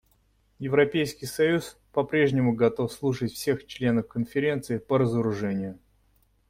Европейский союз по-прежнему готов слушать всех членов Конференции по разоружению.